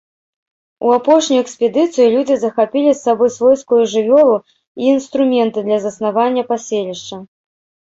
У апошнюю экспедыцыю людзі захапілі з сабой свойскую жывёлу і інструменты для заснавання паселішча.